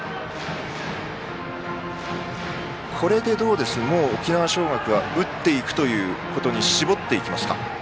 これで、もう沖縄尚学は打っていくということに絞っていきますか？